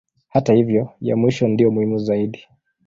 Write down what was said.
Hata hivyo ya mwisho ndiyo muhimu zaidi.